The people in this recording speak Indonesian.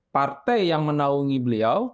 partai yang menaungi beliau